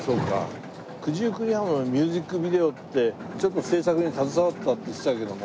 『九十九里浜』のミュージックビデオってちょっと制作に携わったって言ってたけども。